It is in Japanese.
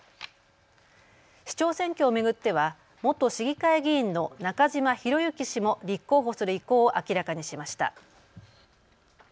市長選挙を巡っては元市議会議員の中嶋博幸氏も立候補する意向を明らかにしました。